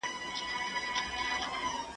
مُلا جانه راته وایه په کتاب کي څه راغلي